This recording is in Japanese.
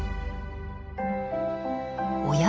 おや？